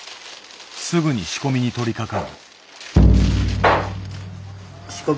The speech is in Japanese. すぐに仕込みに取りかかる。